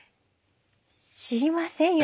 知りませんよ